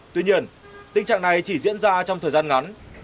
tuy nhiên tình trạng này chỉ diễn ra trong thời gian ngắn